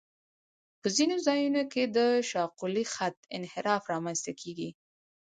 په ځینو ځایونو کې د شاقولي خط انحراف رامنځته کیږي